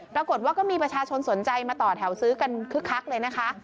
ปรากฏว่าก็มีประชาชนสนใจมาต่อแถวซื้อกันคึกคักเลยนะคะ